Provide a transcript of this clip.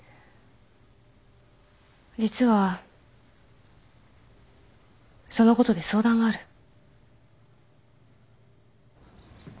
実はそのことで相談がある。